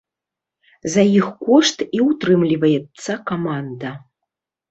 За іх кошт і ўтрымліваецца каманда.